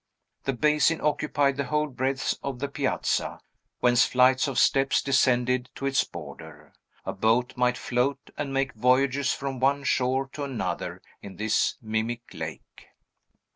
The basin occupied the whole breadth of the piazza, whence flights of steps descended to its border. A boat might float, and make voyages from one shore to another in this mimic lake.